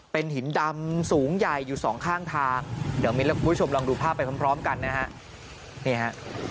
เป็นหินดำสูงใหญ่อยู่สองข้างทางเดี๋ยวมิ้นและคุณผู้ชมลองดูภาพไปพร้อมกันนะฮะนี่ฮะ